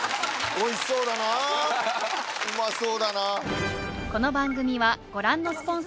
おいしそうだなぁうまそうだな。